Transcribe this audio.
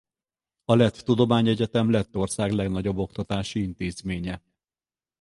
A Lett Tudományegyetem Lettország legnagyobb oktatási intézménye.